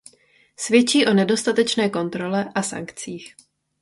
Svědčí o nedostatečné kontrole a sankcích.